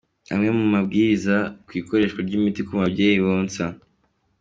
Amwe mu mabwiriza ku ikoreshwa ry’imiti ku mubyeyi wonsa.